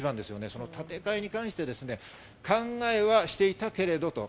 その建て替えに関して、考えはしていたけれどと。